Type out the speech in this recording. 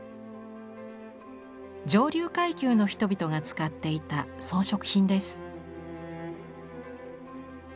上流階級の人々が使っていた装飾品です。